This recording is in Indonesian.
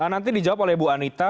nanti dijawab oleh ibu anita